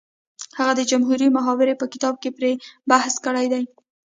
هغه د جمهوري محاورې په کتاب کې پرې بحث کړی دی